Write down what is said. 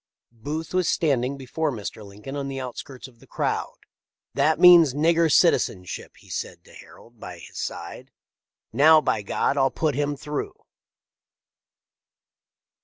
Booth was standing before Mr. Lincoln on the outskirts of the crowd. " That means nigger citizenship," he said to Harold by his side. " Now, by God ! I'll put him through."